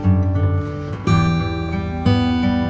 terima kasih ya mas